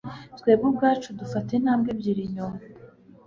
twebwe ubwacu dufata intambwe ebyiri inyuma